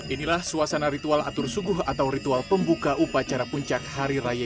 inilah suasana ritual atur suguh atau ritual pembuka upacara puncak hari raya